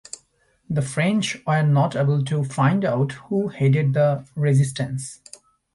The French were not able to find out who headed the resistance.